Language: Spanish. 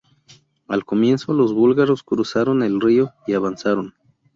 Al comienzo los búlgaros cruzaron el río y avanzaron.